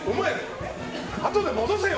あとで戻せよ！